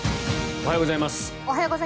おはようございます。